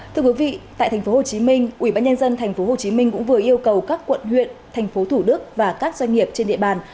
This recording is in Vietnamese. tại tp hcm ubnd tp hcm cũng vừa yêu cầu các quận huyện tp thủ đức và các doanh nghiệp trên địa bàn